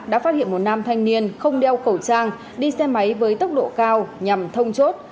đã phát hiện một nam thanh niên không đeo khẩu trang đi xe máy với tốc độ cao nhằm thông chốt